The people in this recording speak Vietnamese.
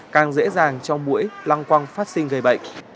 càng dễ dàng cho mũi lăng quăng phát sinh gây bệnh